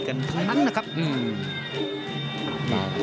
ทั้งนั้นนะครับ